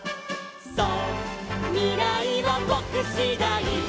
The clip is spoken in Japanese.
「そうみらいはぼくしだい」